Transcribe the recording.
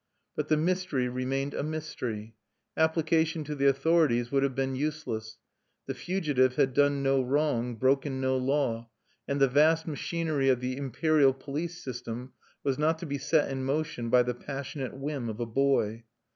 But the mystery remained a mystery. Application to the authorities would have been useless: the fugitive had done no wrong, broken no law; and the vast machinery of the imperial police system was not to be set in motion by the passionate whim of a boy.